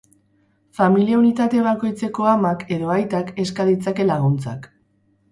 Familia unitate bakoitzeko amak edo aitak eska ditzake laguntzak.